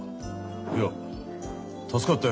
いや助かったよ